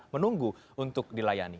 menunggu untuk dilayani